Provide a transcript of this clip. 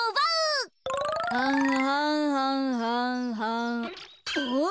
はんはんはんはん。おっ？